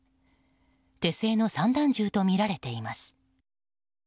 手製の散弾銃とみられています。